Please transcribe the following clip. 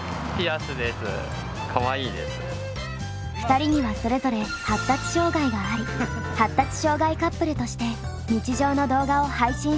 ２人にはそれぞれ発達障害があり発達障害カップルとして日常の動画を配信しています。